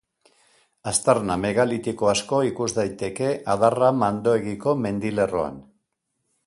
Aztarna megalitiko asko ikus daiteke Adarra-Mandoegiko mendilerroan.